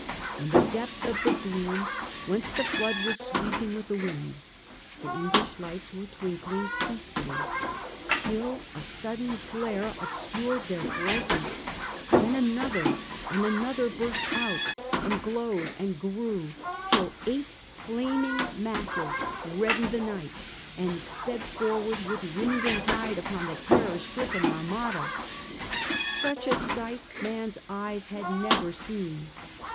In the depth of the gloom whence the flood was sweeping with the wind, the English lights were twinkling peacefully, till a sudden flare obscured their brightness. Then another and another burst out, and glowed and grew till eight flaming masses reddened the nighty and sped forward with wind and tide upon the terror stricken Armada. Such a sight man's eyes had never seen.